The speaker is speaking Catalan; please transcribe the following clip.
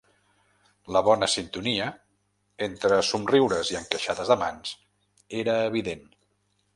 La bona sintonia, entre somriures i encaixades de mans, era evident.